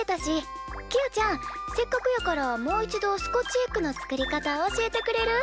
せっかくやからもう一度スコッチエッグの作り方教えてくれる？